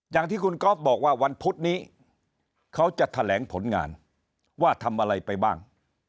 อย่างที่คุณก๊อฟบอกว่าวันพุธนี้เขาจะแถลงผลงานว่าทำอะไรไปบ้าง